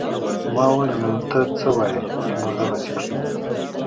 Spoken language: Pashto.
ما وويل نو ته څه وايې چې موږ دغسې کښينو.